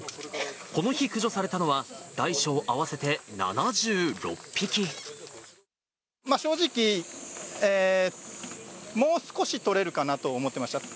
この日、駆除されたのは、正直、もう少し取れるかなと思ってました。